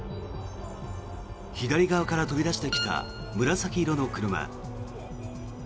左側から飛び出してきた紫色の車。